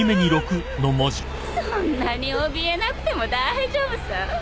そんなにおびえなくても大丈夫さ。